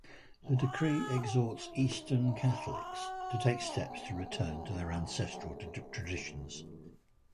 The decree exhorts Eastern Catholics to take steps to return to their ancestral traditions.